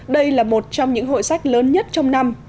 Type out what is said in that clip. đây là một trong những hội sách lớn nhất trong năm